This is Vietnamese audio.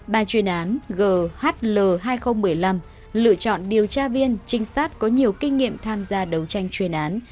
ba chuyên án ghl hai nghìn một mươi năm lựa chọn điều tra viên trinh sát có nhiều kinh nghiệm tham gia đấu tranh chuyên án